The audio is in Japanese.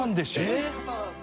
えっ？